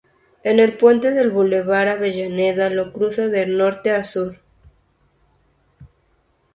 El puente del Bulevar Avellaneda lo cruza de norte a sur.